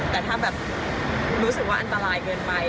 แต่ถ้าแบบรู้สึกว่าอันตรายเกินไป